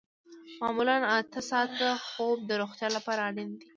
معمولاً اته ساعته خوب د روغتیا لپاره اړین دی